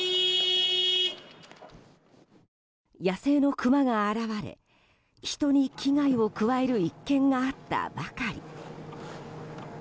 野生のクマが現れ人に危害を加える一件があったばかり。